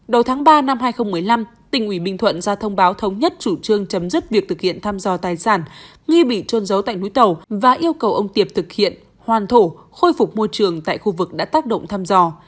đầu tháng ba năm hai nghìn một mươi năm tỉnh ủy bình thuận ra thông báo thống nhất chủ trương chấm dứt việc thực hiện thăm dò tài sản nghi bị trôn giấu tại núi tàu và yêu cầu ông tiệp thực hiện hoàn thổ khôi phục môi trường tại khu vực đã tác động thăm dò